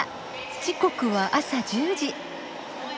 時刻は朝１０時。